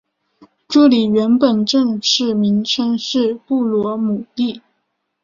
这里原本正式名称是布罗姆利。